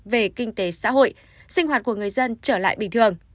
về kinh tế xã hội sinh hoạt của người dân trở lại bình thường